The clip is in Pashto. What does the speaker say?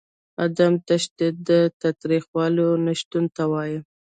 عدم تشدد د تاوتریخوالي نشتون ته وايي.